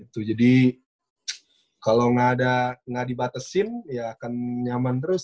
itu jadi kalau nggak dibatesin ya akan nyaman terus